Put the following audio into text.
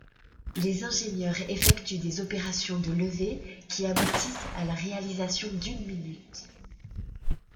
Les ingénieurs effectuent des opérations de lever qui aboutissent à la réalisation d’une minute.